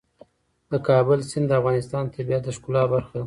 د کابل سیند د افغانستان د طبیعت د ښکلا برخه ده.